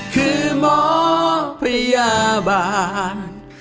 คือหมอพยาบาล